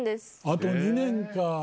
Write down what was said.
あと２年か。